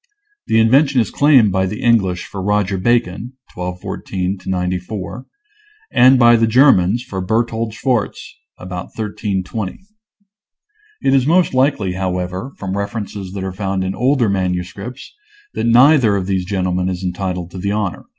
The invention is claimed by the English for Roger Bacon (1214 94), and by the Germans for Berthold Schwarz (about 1320). It is most likely, however, from references that are found in older manuscripts, that neither of these gentlemen is entitled to the honor.